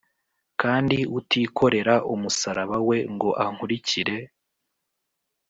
Kandi utikorera umusaraba we ngo ankurikire